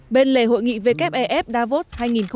bên lề hội nghị wef davos hai nghìn một mươi chín